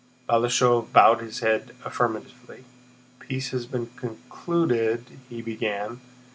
Balashëv bowed his head affirmatively. "Peace has been concluded..." he began.